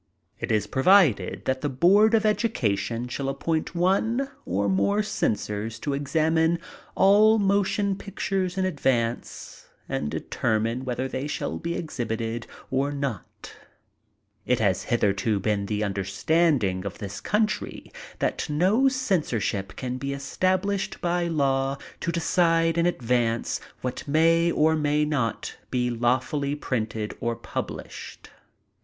It is provided that the Board of Education shall appoint one or more censors to examme all motion pictures in advance and determine whether they shall be exhibited or not It has hitherto been the understanding in this coun try that no censorship can be established by law to decide in advance what may or may not be lavrfully printed or published.